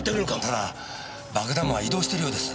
ただ爆弾魔は移動しているようです。